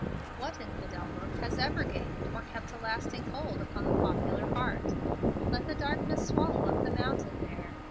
What infidel book has ever gained or kept a lasting hold upon the popular heart? Let the darkness swallow up the mountain there.